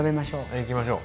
いきましょう。